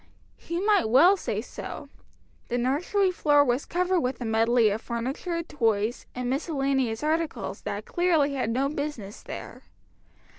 "] He might well say so. The nursery floor was covered with a medley of furniture, toys, and miscellaneous articles that clearly had no business there.